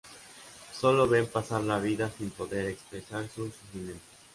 Sólo ven pasar la vida sin poder expresar su sufrimiento.